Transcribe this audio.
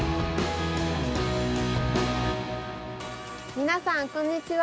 皆さん、こんにちは！